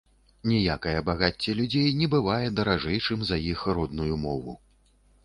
Ніякае багацце людзей не бывае даражэйшым за іх родную мову